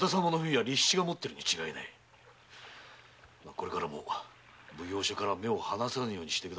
これからも奉行所から目を離さぬようにしてください。